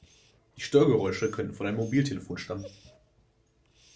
Die Störgeräusche könnten von einem Mobiltelefon stammen.